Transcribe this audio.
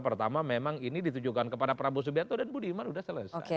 pertama memang ini ditujukan kepada prabowo subianto dan budiman sudah selesai